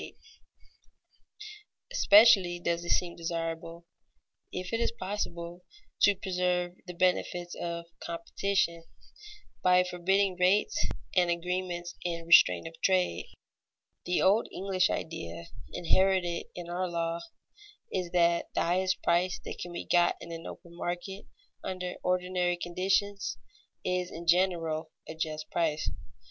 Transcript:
[Sidenote: Publicity to insure just prices] Especially does it seem desirable, if it is possible, to preserve the benefits of competition, by forbidding rates and agreements in restraint of trade. The old English idea, inherited in our law, is that the highest price that can be got in an open market, under ordinary conditions, is in general a just price.